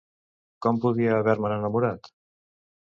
Com podia haver-me'n enamorat?